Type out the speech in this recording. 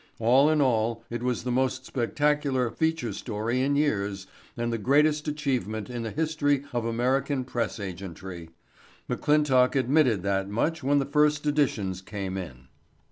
All in all it was the most spectacular "feature story" in years and the greatest achievement in the history of American press agentry. McClintock admitted that much when the first editions came in.